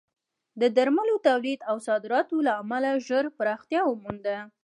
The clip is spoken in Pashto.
د درملو تولید او صادراتو له امله ژر پراختیا ومونده.